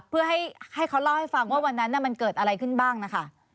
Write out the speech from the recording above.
เพื่อให้เขาเล่าให้ฟังว่าวันนั้นมันเกิดอะไรขึ้นบ้างนะคะ